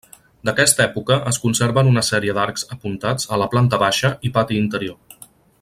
D'aquesta època es conserven una sèrie d'arcs apuntats a la planta baixa i pati interior.